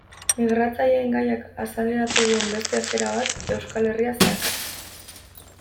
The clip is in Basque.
Migratzaileen gaiak azaleratu duen beste afera bat, Euskal Herria zeharkatzen.